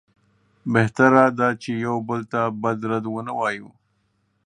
بهتره ده چې یو بل ته بد رد ونه وایو.